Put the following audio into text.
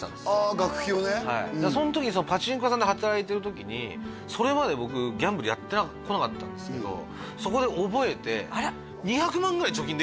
あ学費をねその時にパチンコ屋さんで働いてる時にそれまで僕ギャンブルやってこなかったんですけどそこでえっすごいね！